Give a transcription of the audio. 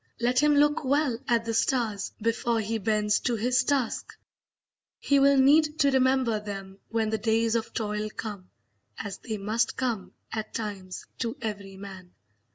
Let him look well at the stars before he bends to his task; he will need to remember them when the days of toil come, as they must come, at times, to every man.